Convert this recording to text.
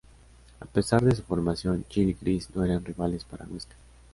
A pesar de su formación, Jill y Chris no eran rivales para Wesker.